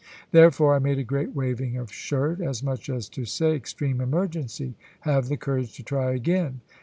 Therefore I made a great waving of shirt, as much as to say, "extreme emergency; have the courage to try again."